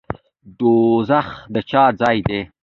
دوزخ د چا ځای دی؟